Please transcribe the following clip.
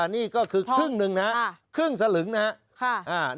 นี่ก็คือครึ่งหนึ่งนะครับครึ่งสลึงนะครับ